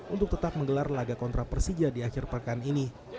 untuk tetap menggelar laga kontra persija di akhir pekan ini